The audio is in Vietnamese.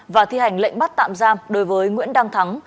và thi hành lệnh bắt tạm giam đối với nguyễn đăng thắng